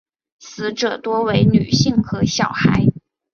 死者多为女性和小孩。